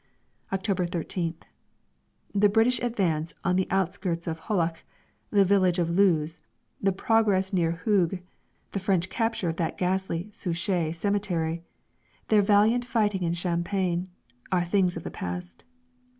October 13th. The British advance on the outskirts of Hulluch the village of Loos, the progress near Hooge, the French capture of that ghastly Souchez cemetery, their valiant fighting in Champagne, are things of the past.